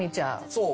そう。